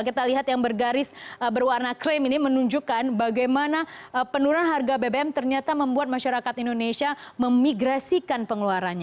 kita lihat yang bergaris berwarna krim ini menunjukkan bagaimana penurunan harga bbm ternyata membuat masyarakat indonesia memigrasikan pengeluarannya